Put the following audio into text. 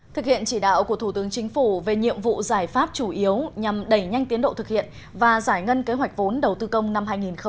thực hiện chỉ đạo của thủ tướng chính phủ về nhiệm vụ giải pháp chủ yếu nhằm đẩy nhanh tiến độ thực hiện và giải ngân kế hoạch vốn đầu tư công năm hai nghìn hai mươi